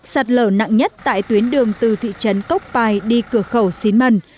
sạt lở nặng nhất tại tuyến đường từ thị trấn cốc pài đi cửa khẩu xín mần